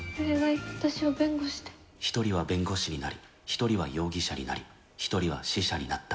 １人は弁護士になり、１人は容疑者になり、１人は死者になった。